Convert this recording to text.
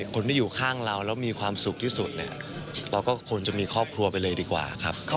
คนที่อยู่ข้างเราแล้วมีความสุขที่สุดเนี่ยเราก็ควรจะมีครอบครัวไปเลยดีกว่าครับ